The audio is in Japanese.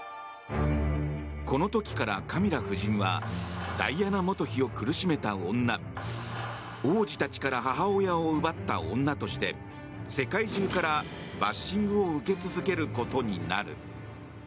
この時からカミラ夫人はダイアナ元妃を苦しめた女王子たちから母親を奪った女として世界中からバッシングを受け続けることになる。